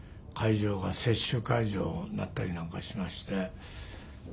会場が接種会場になったりなんかしまして。